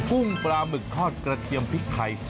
กุ้งปลาหมึกทอดกระเทียมพริกไทย